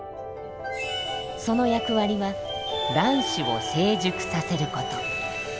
その役割は卵子を成熟させること。